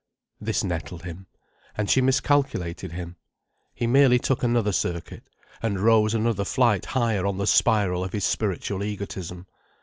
This nettled him. And she miscalculated him. He merely took another circuit, and rose another flight higher on the spiral of his spiritual egotism.